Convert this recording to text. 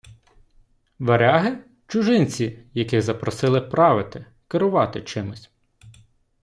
Варяги — чужинці, яких запросили правити, керувати чимось